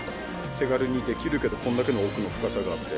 手軽にできるけどこんだけの奥の深さがあって。